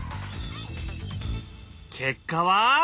結果は？